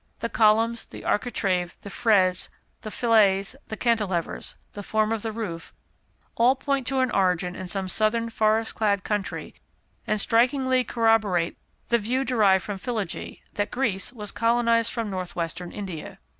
The columns, the architrave, the frieze, the fillets, the cantelevers, the form of the roof, all point to an origin in some southern forest clad country, and strikingly corroborate the view derived from philology, that Greece was colonised from north western India.